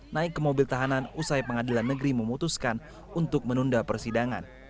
naik ke mobil tahanan usai pengadilan negeri memutuskan untuk menunda persidangan